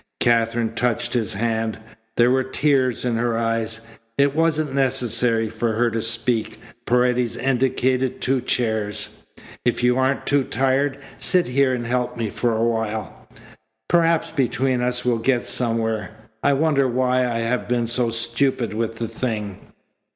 Katherine touched his hand. There were tears in her eyes. It wasn't necessary for her to speak. Paredes indicated two chairs. "If you aren't too tired, sit here and help me for a while. Perhaps between us we'll get somewhere. I wonder why I have been so stupid with the thing."